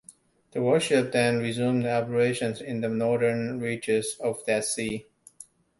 The warship then resumed operations in the northern reaches of that sea.